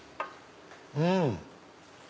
うん！